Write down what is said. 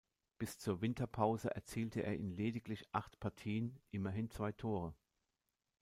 Bis zur Winterpause erzielte er in lediglich acht Partien immerhin zwei Tore.